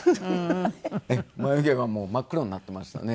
眉毛は真っ黒になっていましたね